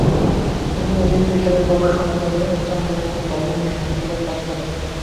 তিনি এমিল ফিশারের গবেষণাগারে অধ্যয়ন করেন এবং বার্লিন বিশ্ববিদ্যালয়ে কাজ করেন।